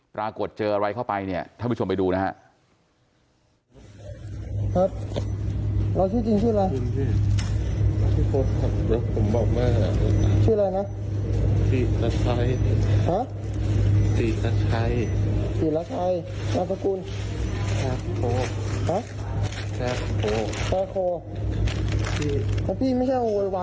ปรากฏเจออะไรเข้าไปเนี่ยท่านผู้ชมไปดูนะฮะ